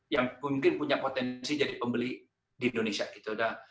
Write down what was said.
yang mungkin punya potensi jadi pembeli di indonesia gitu